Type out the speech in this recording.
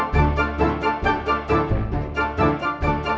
saatnya pasanku berpengalaman